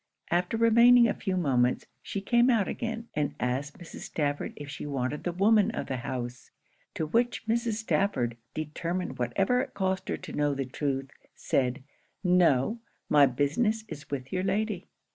After remaining a few moments, she came out again, and asked Mrs. Stafford if she wanted the woman of the house? To which Mrs. Stafford, determined whatever it cost her to know the truth, said 'No my business is with your lady.'